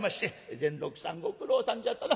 「善六さんご苦労さんじゃったな。